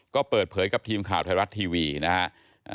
ก็เปิดเผยกับทีมข่าวไทยรัฐทีวีนะฮะ